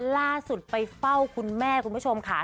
ล่าสุดไปเฝ้าคุณแม่คุณผู้ชมค่ะ